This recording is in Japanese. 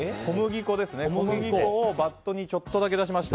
小麦粉をバットにちょっとだけ出しました。